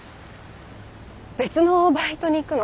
別のバイトに行くの。